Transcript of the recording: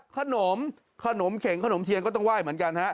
ขนมขนมเข็งขนมเทียนก็ต้องไหว้เหมือนกันฮะ